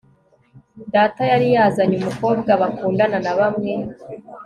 data yari yazanye umukobwa bakundana na bamwe